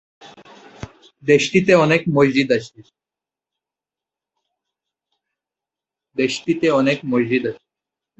দেশটিতে অনেক মসজিদ আছে।